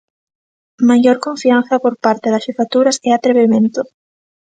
Maior confianza por parte das xefaturas e "atrevemento".